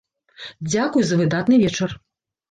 Дзякуй за выдатны вечар!